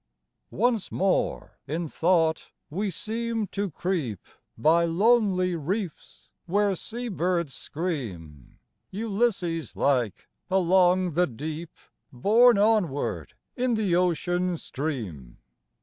Once more in thought we seem to creep By lonely reefs where sea birds scream, Ulysses like, along the deep Borne onward in the ocean stream.